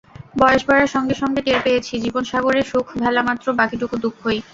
বয়স বাড়ার সঙ্গে সঙ্গে টের পেয়েছি জীবনসাগরে সুখ ভেলামাত্র, বাকিটুকু দুঃখই।